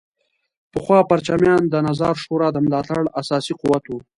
پخوا پرچمیان د نظار شورا د ملاتړ اساسي قوت وو.